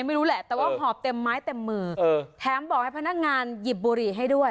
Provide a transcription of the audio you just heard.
ไม่รู้แหละแต่ว่าหอบเต็มไม้เต็มมือแถมบอกให้พนักงานหยิบบุหรี่ให้ด้วย